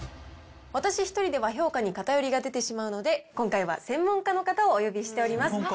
私一人では評価に偏りが出てしまうので、今回は専門家の方をお呼びしております。